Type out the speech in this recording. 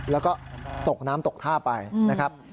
แล้วก็ตกน้ำตกท่าไปนะครับ